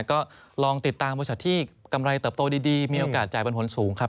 ก็ลองติดตามบริษัทที่กำไรเติบโตดีมีโอกาสจ่ายปันผลสูงครับ